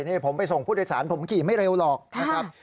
นี่ผมไปส่งผู้โดยสารผมขี่ไม่เร็วหรอกนะครับ